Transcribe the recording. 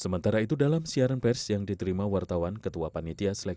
sementara itu dalam siaran pers yang diterima wartawan ketua panitia seleksi